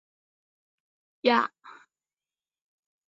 只有一条公路通往雅库茨克。